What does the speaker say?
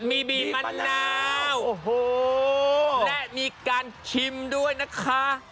มีบีมะนาวโอ้โหและมีการชิมด้วยนะคะ